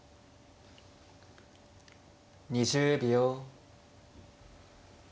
２０秒。